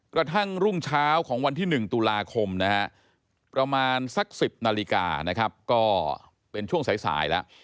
กระทั่งรุ่งเช้าของวันที่๑ตุลาคมนะฮะประมาณสัก๑๐นาฬิกานะครับก็เป็นช่วงสายแล้ว